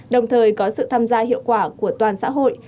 đồng thời có sự tham gia hiệu quả của toàn xã hội